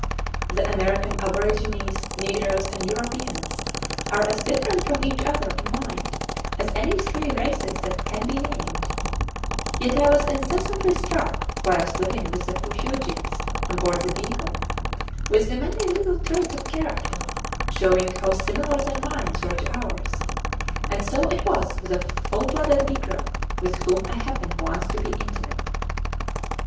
The American aborigines, Negroes and Europeans are as different from each other in mind as any three races that can be named; yet I was incessantly struck, whilst living with the Fuegians on board the "Beagle," with the many little traits of character, shewing how similar their minds were to ours; and so it was with a full blooded negro with whom I happened once to be intimate.